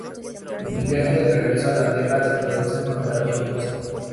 En el viaje de regreso a la Tierra se producen contratiempos.